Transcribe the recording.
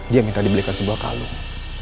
dia minta dibelikan sebuah kalung